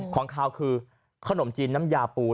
ของขาวคือขนมจีนน้ำยาปู